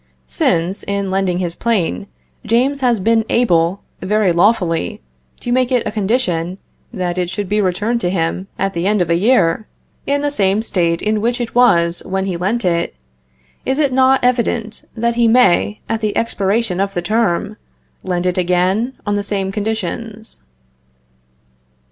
Since, in lending his plane, James has been able, very lawfully, to make it a condition, that it should be returned to him, at the end of a year, in the same state in which it was when he lent it, is it not evident that he may, at the expiration of the term, lend it again on the same conditions.